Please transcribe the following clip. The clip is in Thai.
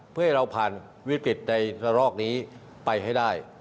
เพื่อให้เราผ่านวิกฤตในระลอกนี้ไปให้ได้